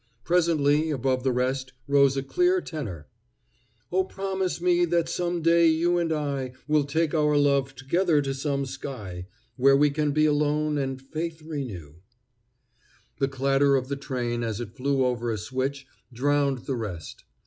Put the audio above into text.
Presently above the rest rose a clear tenor: Oh, promise me that some day you and I Will take our love together to some sky Where we can be alone and faith renew The clatter of the train as it flew over a switch drowned the rest.